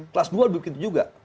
kelas dua begitu juga